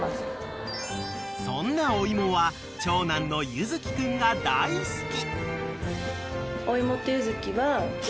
［そんなおいもは長男の優月君が大好き］